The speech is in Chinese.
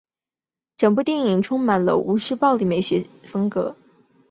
整部电影充满了吴氏暴力美学风格。